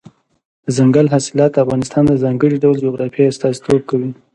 دځنګل حاصلات د افغانستان د ځانګړي ډول جغرافیې استازیتوب کوي.